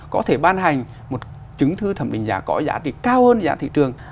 có thể ban hành một chứng thư thẩm định giá có giá trị cao hơn giá thị trường